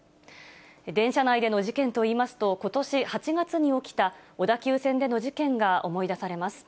電車内での事件といいますと、ことし８月に起きた小田急線での事件が思い出されます。